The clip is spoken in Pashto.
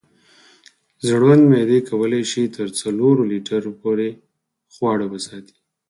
زړوند معدې کولی شي تر څلورو لیټرو پورې خواړه وساتي.